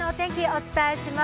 お伝えします。